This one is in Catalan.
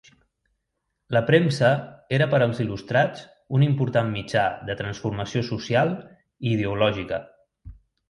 La premsa era per als il·lustrats un important mitjà de transformació social i ideològica.